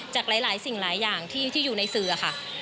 จากหลายสิ่งหลายอย่างที่อยู่ในสื่อค่ะ